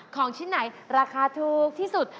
ของชิ้นไหนราคาถูกที่สุด